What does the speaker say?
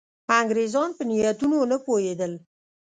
انګرېزان په نیتونو نه پوهېدل.